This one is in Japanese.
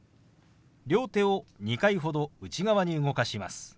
両手を２回ほど内側に動かします。